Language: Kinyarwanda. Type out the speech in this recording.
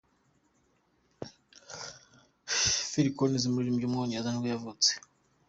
Phil Collins, umuririmbyi w’umwongereza nibwo yavutse.